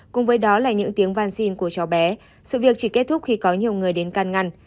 cùng với đó là những tiếng vang xin của cháu bé sự việc chỉ kết thúc khi có nhiều người đến can ngăn